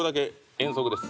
遠足です。